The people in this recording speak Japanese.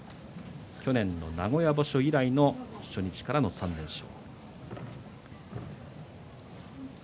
去年の名古屋場所以来の初日からの３連勝。